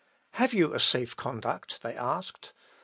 "Have you a safe conduct?" they asked.